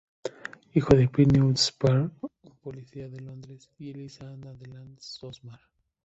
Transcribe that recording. Hijo de Philip Newton Spare, un policía de Londres, y Eliza Ann Adelaide Osman.